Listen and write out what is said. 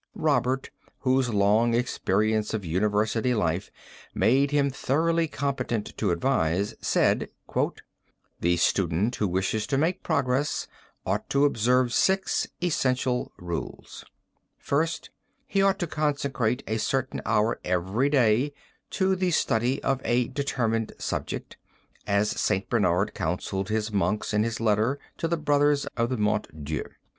Robert, whose long experience of university life made him thoroughly competent to advise, said: "The student who wishes to make progress ought to observe six essential rules. "First: He ought to consecrate a certain hour every day to the study of a determined subject, as St. Bernard counselled his monks in his letter to the Brothers of the Mont Dieu.